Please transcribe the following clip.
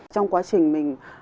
trong quá trình mình